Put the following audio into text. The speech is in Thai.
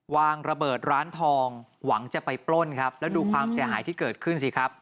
วางระเบิดร้านทองหวังจะไปปล้นครับแล้วดูความเสียหายที่เกิดขึ้นสิครับ